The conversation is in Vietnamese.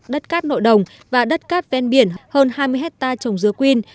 đất cát nội đồng và đất cát ven biển hơn hai mươi hectare trồng dứa quyên